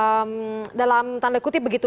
oke kalau misalnya kita bicara dalam tanda kutip begitu